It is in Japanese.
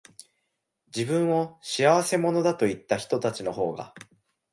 自分を仕合せ者だと言ったひとたちのほうが、